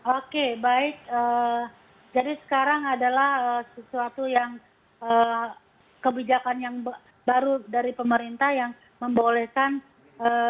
oke baik jadi sekarang adalah sesuatu yang kebijakan yang baru dari pemerintah yang membolehkan